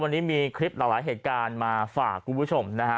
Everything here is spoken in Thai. วันนี้มีคลิปหลายเหตุการณ์มาฝากคุณผู้ชมนะฮะ